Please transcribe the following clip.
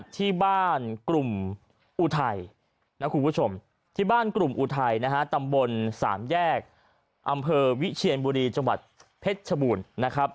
ที่บ้านกลุ่มอุทัยที่บ้านกลุ่มอุทัยตำบล๓แยกอำเภอวิเชียนบุรีจังหวัดเพชรชบูรณ์